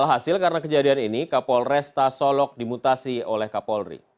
alhasil karena kejadian ini kapolresta solok dimutasi oleh kapolri